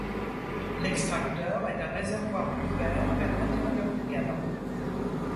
L'extracteur est un réservoir ouvert vers l'intérieur du canon.